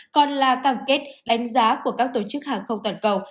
còn là cam kết đánh giá của các tổ chức hàng không toàn cầu